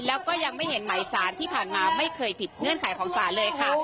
แล้วก็ยังไม่เห็นหมายสารที่ผ่านมาไม่เคยผิดเงื่อนไขของศาลเลยค่ะ